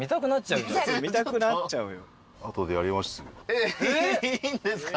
えっいいんですか？